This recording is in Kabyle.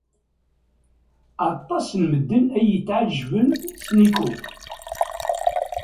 Aṭas n medden ay yetɛejjben s Nikko.